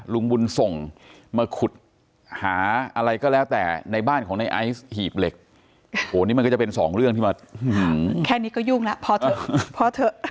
ลุงบุญส่งมาขุดหาอะไรก็แล้วแต่ในบ้านของในไอซ์หีบเหล็กโหนี่มันก็จะเป็นสองเรื่องที่มาแค่นี้ก็ยุ่งแล้วพอเถอะพอเถอะ